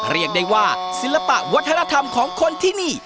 เรียกได้ว่าศิลปะวัฒนธรรมของคนที่นี่